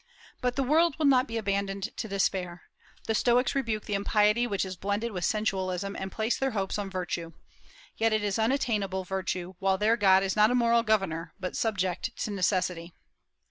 But the world will not be abandoned to despair. The Stoics rebuke the impiety which is blended with sensualism, and place their hopes on virtue. Yet it is unattainable virtue, while their God is not a moral governor, but subject to necessity.